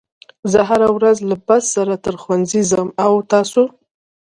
زه هره ورځ له بس سره تر ښوونځي ځم او تاسو